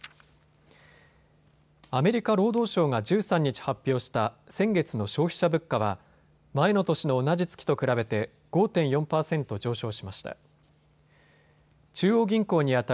アメリカ労働省が１３日発表した先月の消費者物価は前の年の同じ月と比べて５．４％上昇しました。